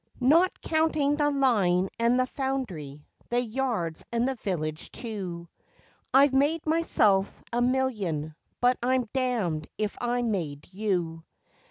Not counting the Line and the Foundry, the yards and the village, too, I've made myself and a million; but I'm damned if I made you.